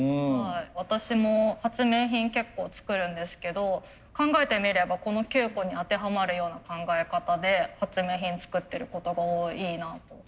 私も発明品結構作るんですけど考えてみればこの９個に当てはまるような考え方で発明品作ってることが多いなと。